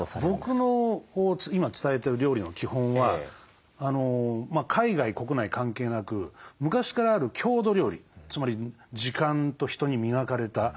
僕の今伝えてる料理の基本は海外国内関係なく昔からある郷土料理つまり時間と人に磨かれた今残ってる郷土料理ですね。